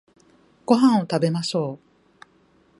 ご飯を食べましょう